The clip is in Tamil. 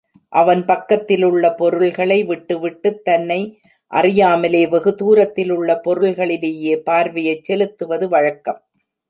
அவன் பக்கத்திலுள்ள பொருள்களை விட்டுவிட்டுத் தன்னை அறியாமலே வெகு தூரத்திலுள்ள பொருள்களிலே பார்வையைச் செலுத்துவது வழக்கம்.